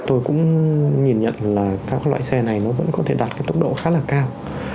tôi cũng nhìn nhận là các loại xe này nó vẫn có thể đạt cái tốc độ khá là cao